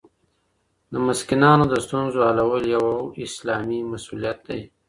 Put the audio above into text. د مسکینانو د ستونزو حلول یو اسلامي مسوولیت دی.